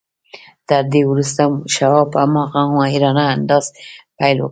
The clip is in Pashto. تر دې وروسته شواب په هماغه ماهرانه انداز پیل وکړ